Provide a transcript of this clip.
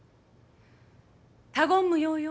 他言無用よ。